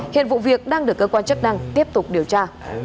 hiện vụ việc đang được cơ quan chức năng tiếp tục điều tra